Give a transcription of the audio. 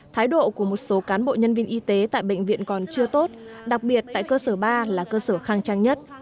thái độ của một số cán bộ nhân viên y tế tại bệnh viện còn chưa tốt đặc biệt tại cơ sở ba là cơ sở khang trang nhất